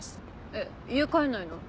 えっ家帰んないの？